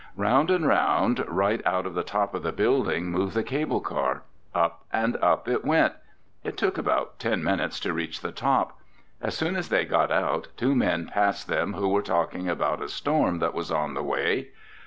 Round and round, right out of the top of the building, moved the cable car. Up and up it went. It took about ten minutes to reach the top. As soon as they got out, two men passed them who were talking about a storm that was on the way.